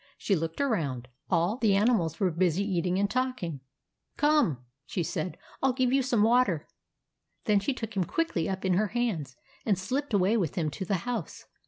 She looked around. All the animals were busy eating and talking. " Come," she said, " I '11 give you some water." Then she took him quickly up in her hands, and slipped away with him to the house.